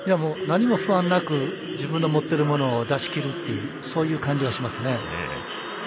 何も不安なく自分の持っているものを出し切るという感じはしますね。